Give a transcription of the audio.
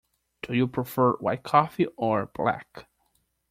Do you prefer white coffee, or black?